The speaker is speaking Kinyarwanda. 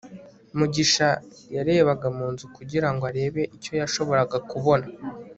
mugisha yarebaga mu nzu kugira ngo arebe icyo yashoboraga kubona